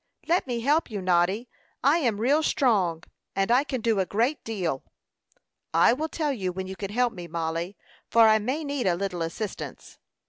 "Let me help you, Noddy, I am real strong, and I can do a great deal." "I will tell you when you can help me, Mollie, for I may need a little assistance."